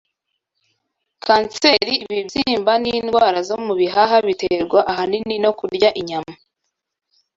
Kanseri, ibibyimba, n’indwara zo mu bihaha biterwa ahanini no kurya inyama